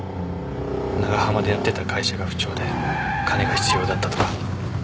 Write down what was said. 長浜でやってた会社が不調で金が必要だったとか。